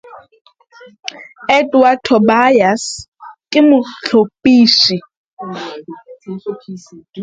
Edward Tobias was the Editor.